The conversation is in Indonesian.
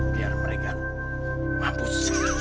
biar mereka mampus